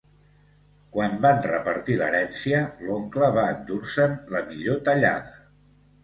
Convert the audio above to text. Quan van repartir l'herència, l'oncle va endur-se'n la millor tallada.